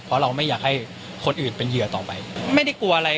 เพราะเราไม่อยากให้คนอื่นเป็นเหยื่อต่อไปไม่ได้กลัวอะไร